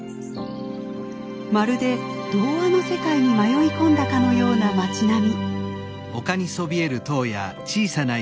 まるで童話の世界に迷い込んだかのような町並み。